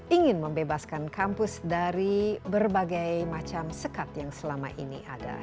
ingin membebaskan kampus dari berbagai macam sekat yang selama ini ada